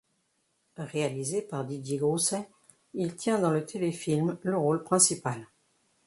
Réalisé par Didier Grousset, il tient dans le téléfilm le rôle principal.